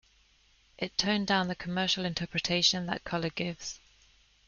It toned down the commercial interpretation that colour gives.